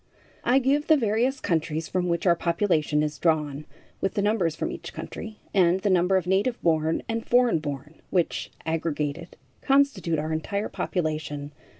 I give the various countries from which our population is drawn, with the numbers from each country, and the number of native born and foreign born, which, aggregated, constitute our entire population.